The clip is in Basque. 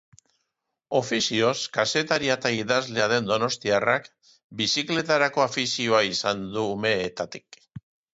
Ofizioz kazetaria eta idazlea den donostiarrak bizikletarako afizioa izan du umetatik.